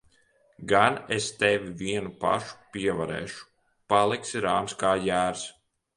Gan es tevi vienu pašu pievarēšu! Paliksi rāms kā jērs.